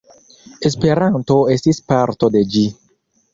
Esperanto estis parto de ĝi.